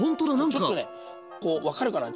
ちょっとねこう分かるかな？